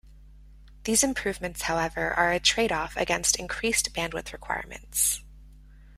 These improvements, however, are a tradeoff against increased bandwidth requirements.